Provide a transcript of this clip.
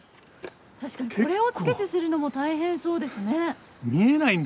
確かにこれをつけてするのも大変そうですね。